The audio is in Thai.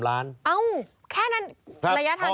แค่นั้นระยะทางแค่นี้นะครับ